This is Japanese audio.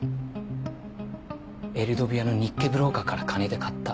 エルドビアの日系ブローカーから金で買った。